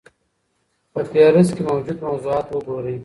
په فهرست کې موجود موضوعات وګورئ.